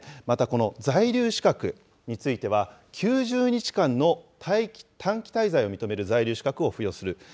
またこの在留資格については、９０日間の短期滞在を認める在留資格を付与する。